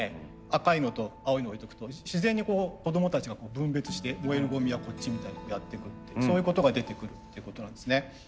赤いのと青いの置いとくと自然に子供たちが分別して燃えるゴミはこっちみたいにやってくってそういうことが出てくるっていうことなんですね。